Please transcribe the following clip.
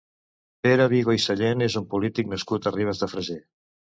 Pere Vigo i Sallent és un polític nascut a Ribes de Freser.